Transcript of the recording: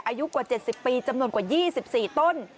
อายุกว่า๗๐ปีจำนวนกว่า๒๔ต้น